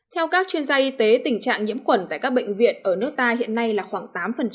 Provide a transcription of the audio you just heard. theo các chuyên gia y tế tình trạng nhiễm khuẩn tại các bệnh viện ở nước ta hiện nay là khoảng tám